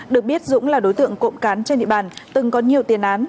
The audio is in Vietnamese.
được biết dũng là đối tượng cộng cán trên địa bàn từng có nhiều tiền án